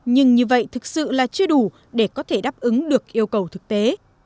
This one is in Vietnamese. nhưng như vậy thực sự là chưa đủ để có thể đáp ứng được yêu cầu thực tế